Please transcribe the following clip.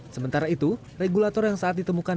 sementara itu regulator yang saat ditemukan